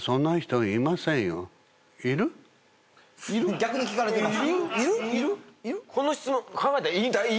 逆に聞かれてます。